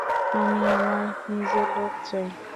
আমি আমার নিজের লোক চাই।